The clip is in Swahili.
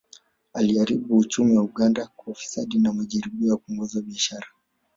Aliharibu uchumi wa Uganda kwa ufisadi na majaribio ya kuongoza biashara